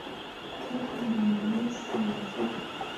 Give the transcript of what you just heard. He kugira umuntu wese wiringira